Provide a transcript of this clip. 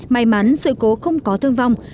may mắn sự cố không có thương vong